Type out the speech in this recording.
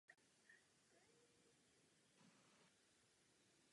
Za roli získala nominaci cenu Tony v kategorii nejlepší ženský výkon ve hře.